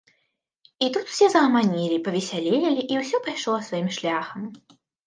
І тут усе загаманілі, павесялелі, і ўсё пайшло сваім шляхам.